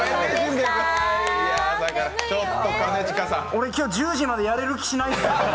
俺、今日、１０時までやれる気しないっす。